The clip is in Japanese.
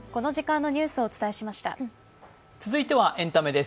続いてはエンタメです。